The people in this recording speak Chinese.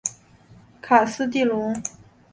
卡斯蒂隆。